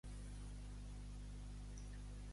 L'autèntic rami o rami blanc és el conreat a la Xina.